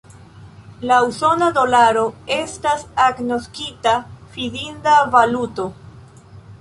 La usona dolaro estas agnoskita fidinda valuto.